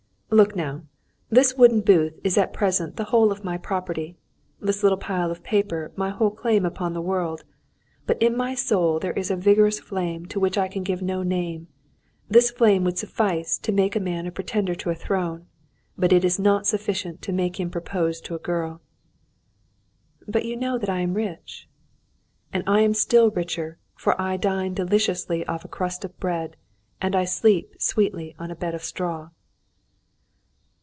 "Look now! This wooden booth is at present the whole of my property, this little pile of paper my whole claim upon the world; but in my soul there is a vigorous flame to which I can give no name. This flame would suffice to make a man a pretender to a throne, but it is not sufficient to make him propose to a girl." "But you know that I am rich." "And I am still richer, for I dine deliciously off a crust of bread, and I sleep sweetly on a bed of straw."